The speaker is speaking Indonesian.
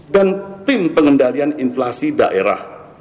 dan tim pengendalian inflasi daerah